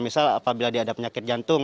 misal apabila dia ada penyakit jantung